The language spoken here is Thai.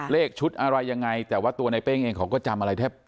เลขชุดอะไรยังไงแต่ว่าตัวในเป้งเองเขาก็จำอะไรแทบ